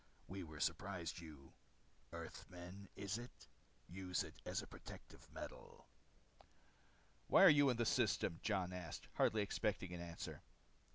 We were surprised you earthmen, is it? use it as protective metal." "Why are you in this system?" Jon asked, hardly expecting an answer.